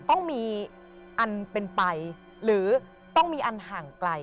ต้องมีอันเป็นไปหรือต้องมีอันห่างไกล